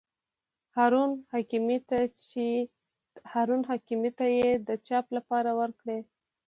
هارون حکیمي ته یې د چاپ لپاره ورکړي.